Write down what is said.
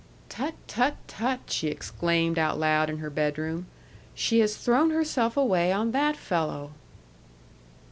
"Tut, tut, tut!" she exclaimed out loud in her bedroom. "She has thrown herself away on that fellow!"